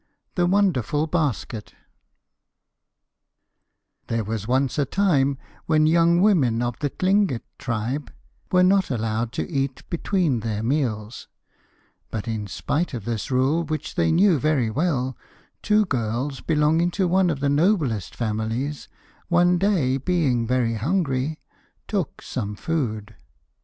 THE WONDERFUL BASKET There was once a time when young women of the Tlingit tribe were not allowed to eat between their meals, but in spite of this rule which they knew very well, two girls belonging to one of the noblest families one day being very hungry took some food.